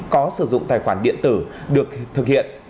có sử dụng tài khoản điện tử được thực hiện